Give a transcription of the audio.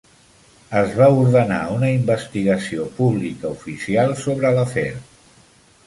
Es va ordenar una investigació pública oficial sobre l'afer.